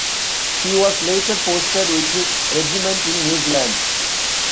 He was later posted with his regiment in New Zealand.